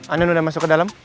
andin udah masuk ke dalam